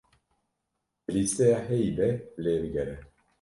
Di lîsteya heyî de lê bigere.